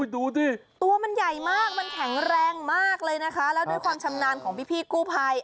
ดูสิตัวมันใหญ่มากมันแข็งแรงมากเลยนะคะแล้วด้วยความชำนาญของพี่กู้ภัย